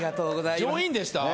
上品でした？